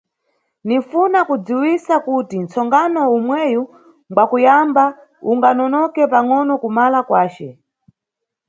Ninʼfuna kudziwisa kuti nʼtsonkhano umweyi ngwakuyamba unganonoke pangʼono kumala kwace.